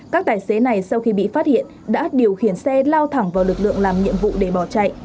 các tài xế này sau khi bị phát hiện đã điều khiển xe lao thẳng vào lực lượng làm nhiệm vụ để bỏ chạy